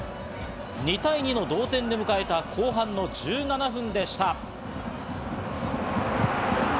２対２の同点で迎えた後半の１７分でした。